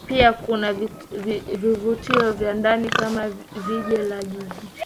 Pia kuna vivutio vya ndani kama jiwe la jiji